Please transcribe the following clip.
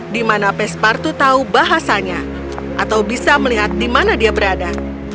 di mana pespartu tahu bahasanya atau bisa melihat di mana dia berada